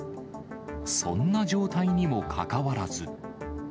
そんな状態にもかかわらず。